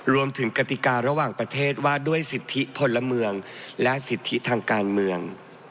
กติการะหว่างประเทศว่าด้วยสิทธิพลเมืองและสิทธิทางการเมือง